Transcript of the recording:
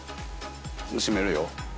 しめるよ。